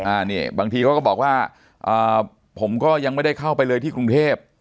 อันนี้บางทีเขาก็บอกว่าอ่าผมก็ยังไม่ได้เข้าไปเลยที่กรุงเทพ